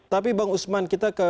tapi bang usman kita ke